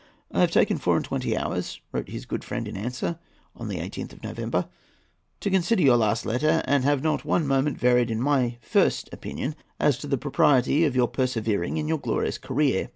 "I have taken four and twenty hours," wrote his good friend in answer, on the 18th of November, "to consider your last letter, and have not one moment varied in my first opinion as to the propriety of your persevering in your glorious career.